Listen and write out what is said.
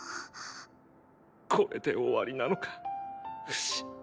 これで終わりなのかフシ？